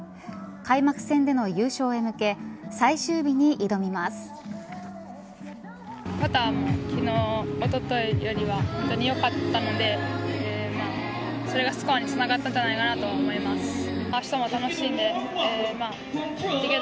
開幕戦での優勝へ向け最終日に挑みます。